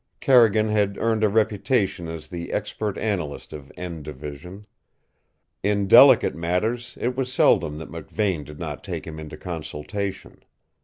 Carrigan had earned a reputation as the expert analyst of "N" Division. In delicate matters it was seldom that McVane did not take him into consultation.